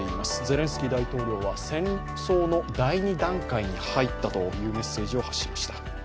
ゼレンスキー大統領は戦争の第２段階に入ったというメッセージを発しました。